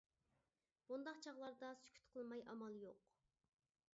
بۇنداق چاغلاردا سۈكۈت قىلماي ئامال يوق.